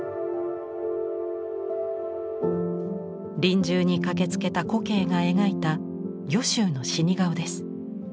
臨終に駆けつけた古径が描いた御舟の死に顔です。